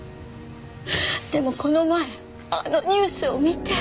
でもこの前あのニュースを見て！